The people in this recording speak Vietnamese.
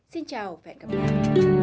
xin chào và hẹn gặp lại